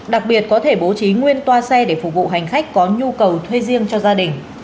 đặc biệt có thể bố trí nguyên toa xe để phục vụ hành khách có nhu cầu thuê riêng cho gia đình